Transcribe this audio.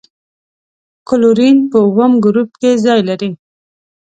کلورین په اووم ګروپ کې ځای لري.